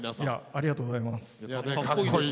ありがとうございます。